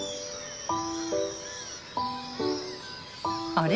あれ？